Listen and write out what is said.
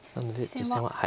実戦は。